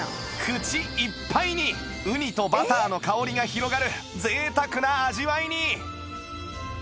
口いっぱいにウニとバターの香りが広がる贅沢な味わいに！